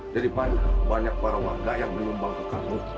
jadi banyak para warga yang menumbang ke kamu